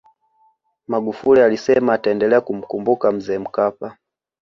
magufuli alisema ataendelea kumkumbuka mzee mkapa